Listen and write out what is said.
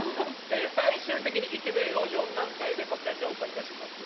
最終的にイケメンを４段階で評価します。